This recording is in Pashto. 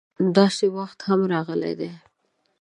داسې وخت هم راغلی دی.